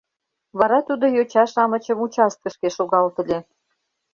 Вара тудо йоча-шамычым участкышке шогалтыле.